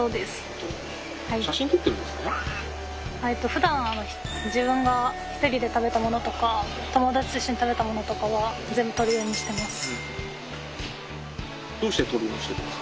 ふだん自分が一人で食べたものとか友達と一緒に食べたものとかは全部撮るようにしてます。